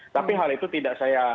tapi hal itu tidak saya